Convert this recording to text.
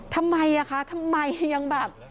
ทำไมอ่ะคะทำไมยังแบบ